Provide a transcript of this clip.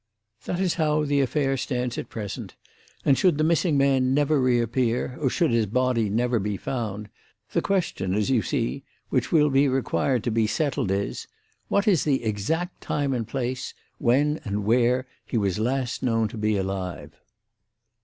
"That is how the affair stands at present, and, should the missing man never reappear or should his body never be found, the question, as you see, which will be required to be settled is, 'What is the exact time and place, when and where, he was last known to be alive?'